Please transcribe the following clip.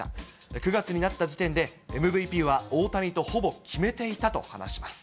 ９月になった時点で、ＭＶＰは大谷とほぼ決めていたと話します。